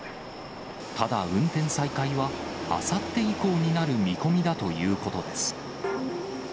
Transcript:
ただ、運転再開はあさって以降になる見込みだということです。